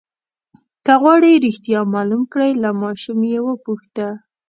که غواړئ رښتیا معلوم کړئ له ماشوم یې وپوښته.